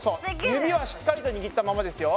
指はしっかりと握ったままですよ。